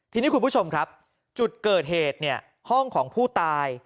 ทีนี้คุณผู้ชมครับจุดเกิดเหตุเนี่ยห้องของผู้ตาย